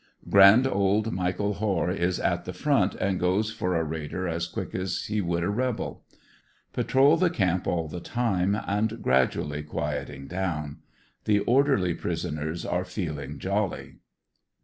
Grand old Michael Hoare is at the front and goes for a raider as quick as he would ^ rebel. Patrol the camp all the time and gradually quietmg down. The orderly prisoners are feeling jolly.